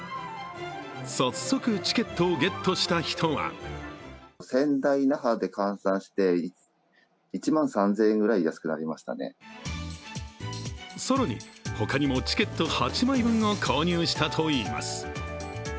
早速、チケットをゲットした人は更に他にもチケット８枚分を購入したといいます。